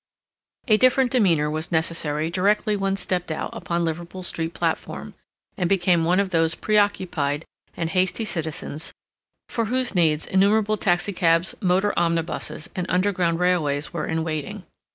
A different demeanor was necessary directly one stepped out upon Liverpool Street platform, and became one of those preoccupied and hasty citizens for whose needs innumerable taxi cabs, motor omnibuses, and underground railways were in waiting.